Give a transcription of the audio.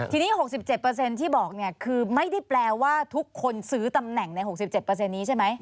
ทีนี้๖๗ที่บอกเนี่ยคือไม่ได้แปลว่าทุกคนซื้อตำแหน่งใน๖๗นี้ใช่ไหม